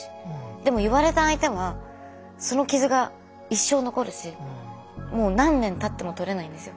でも言われた相手はその傷が一生残るし何年たっても取れないんですよ。